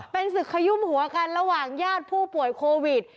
เป็นศึกขยุ่มหัวกันระหว่างญาติผู้ป่วยโควิด